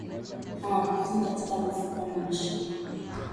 Maambukizi katika mifupa na mishipa